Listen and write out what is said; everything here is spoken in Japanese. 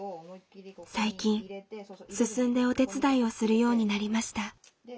最近進んでお手伝いをするようになりました。